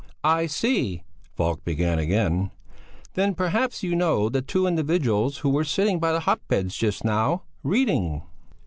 "I see," Falk began again; "then perhaps you know the two individuals who were sitting by the hot beds just now, reading?"